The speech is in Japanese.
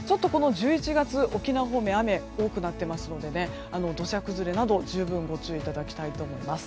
１１月、沖縄方面は雨が多くなっていますので土砂崩れなど、十分ご注意いただきたいと思います。